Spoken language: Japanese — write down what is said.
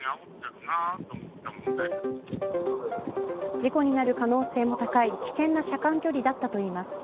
事故になる可能性が高い危険な車間距離だったといいます。